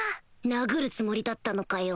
殴るつもりだったのかよ